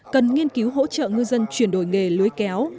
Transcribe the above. cần nghiên cứu hỗ trợ ngư dân chuyển đổi nghề lưới kéo